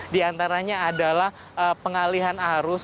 di antaranya adalah pengalihan arus